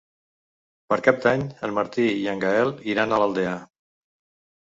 Per Cap d'Any en Martí i en Gaël iran a l'Aldea.